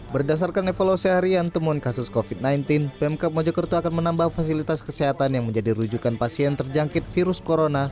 berdasarkan evaluasi harian temuan kasus covid sembilan belas pemkap mojokerto akan menambah fasilitas kesehatan yang menjadi rujukan pasien terjangkit virus corona